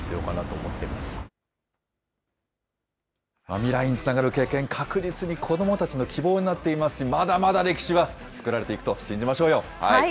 未来につながる経験、確実に子どもたちの希望になっていますし、まだまだ歴史は作られていくと信じましょうよ。